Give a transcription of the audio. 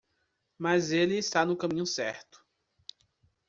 Mas ele está no caminho certo.